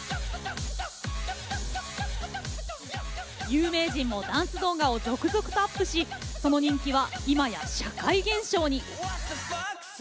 有名人もダンス動画を続々とアップしその人気は今や社会現象に。